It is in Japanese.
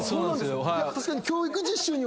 確かに。